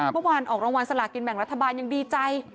เมื่อวานออกรางวัลสลากินแบ่งรัฐบาลยังดีใจ